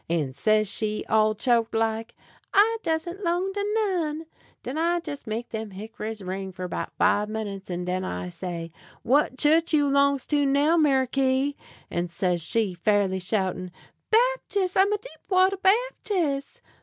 And says she, all choked like: "I doesn't 'long to none." Den I jes' make dem hick'ries ring for 'bout five minutes, and den I say: "What chu'ch you 'longs to now, Meriky?" And says she, fairly shoutin': "Baptiss; I'se a deep water Baptiss."